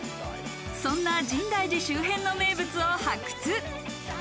そんな深大寺周辺の名物を発掘。